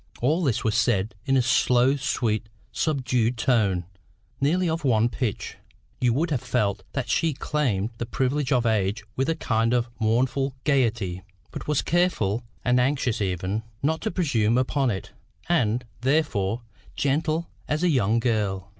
All this was said in a slow sweet subdued tone, nearly of one pitch. You would have felt that she claimed the privilege of age with a kind of mournful gaiety, but was careful, and anxious even, not to presume upon it, and, therefore, gentle as a young girl.